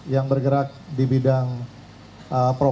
yang bergerak di bidang profesi